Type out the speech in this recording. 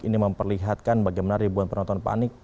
ini memperlihatkan bagaimana ribuan penonton panik